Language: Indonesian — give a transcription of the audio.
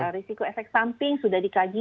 risiko efek samping sudah dikaji